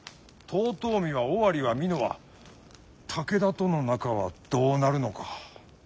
遠江は尾張は美濃は武田との仲はどうなるのか。